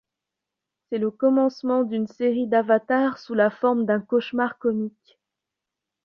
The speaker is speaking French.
C'est le commencement d'une série d'avatars sous la forme d'un cauchemar comique.